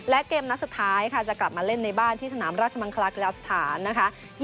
และเกมนัดสุดท้ายค่ะจะกลับมาเล่นในบ้านที่สนามราชมังคลากีฬาสถานนะคะ